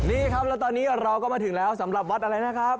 นี่ครับแล้วตอนนี้เราก็มาถึงแล้วสำหรับวัดอะไรนะครับ